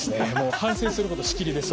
反省することしきりです